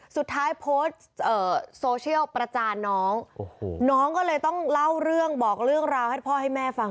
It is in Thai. สุดท้ายโพสต์โซเชียลประจานน้องน้องก็เลยต้องเล่าเรื่องบอกเรื่องราวให้พ่อให้แม่ฟัง